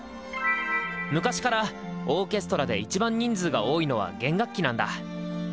昔からオーケストラでいちばん人数が多いのは弦楽器なんだ。